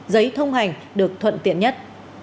giấy thông hành được thuận tiện nhất